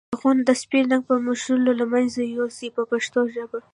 داغونه د سپین رنګ په مښلو له منځه یو سئ په پښتو ژبه.